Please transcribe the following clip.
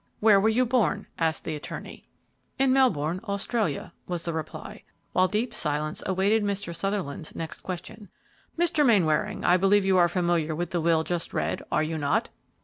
"Where were you born?" asked the attorney. "In Melbourne, Australia," was the reply, while deep silence awaited Mr. Sutherland's next question. "Mr. Mainwaring, I believe you are familiar with the will just read, are you not?"